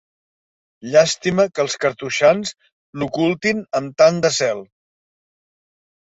Llàstima que els cartoixans l'ocultin amb tant de zel.